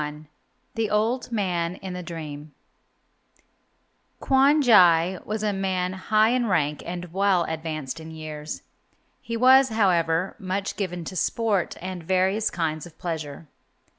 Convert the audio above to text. XLI THE OLD MAN IN THE DREAM Kwon Jai was a man high in rank and well advanced in years. He was, however, much given to sport and various kinds of pleasure.